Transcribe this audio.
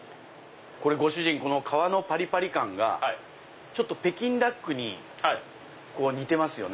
これご主人この皮のパリパリ感が北京ダックに似てますよね。